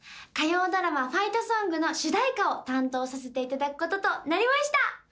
火曜ドラマ「ファイトソング」の主題歌を担当させていただくこととなりました！